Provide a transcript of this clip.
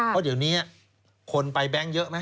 เพราะตอนนี้คนไปแบงค์เยอะมั้ย